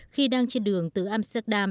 khi đang trên đường từ amsterdam